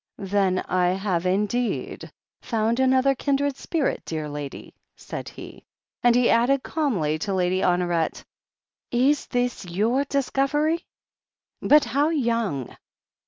"Then I have indeed found another kindred spirit, dear lady!" said he. And he added calmly to Lady Honoret : "Is this your discovery ? But how young